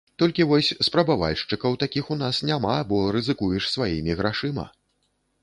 Толькі вось спрабавальшчыкаў такіх у нас няма, бо рызыкуеш сваімі грашыма.